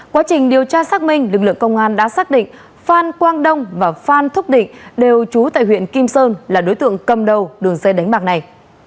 quá trình điều tra xác minh lực lượng công an đã xác định phan quang đông và phan thúc định đều trú tại huyện kim sơn là đối tượng cầm đầu đường dây đánh bạc này